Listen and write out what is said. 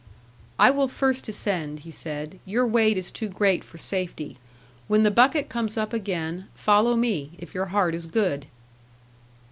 'I will first descend,' he said; 'your weight is too great for safety. When the bucket comes up again, follow me, if your heart is good.'